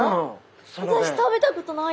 私食べたことない。